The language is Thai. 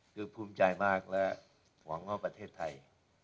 คือภูมิใจมากและหวังว่าประเทศไทย